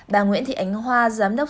bà nguyễn thị ánh hoa giám đốc